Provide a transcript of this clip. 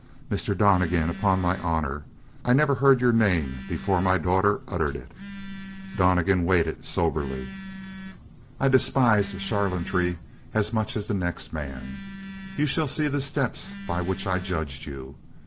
"Mr. Donnegan, upon my honor, I never heard your name before my daughter uttered it." Donnegan waited soberly. "I despise charlatanry as much as the next man. You shall see the steps by which I judged you.